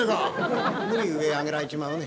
「上へ上げられちまうね。